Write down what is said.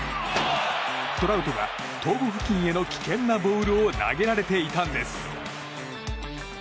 トラウトが頭部付近への危険なボールを投げられていたんです。